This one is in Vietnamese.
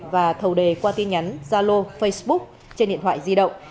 và thầu đề qua tin nhắn zalo facebook trên điện thoại di động